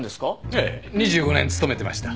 ええ２５年勤めてました。